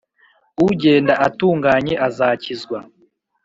ugenda atunganye azakizwa,